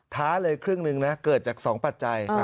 ท้าเลยครึ่งหนึ่งนะเกิดจาก๒ปัจจัย